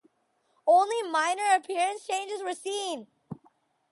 Only minor appearance changes were seen.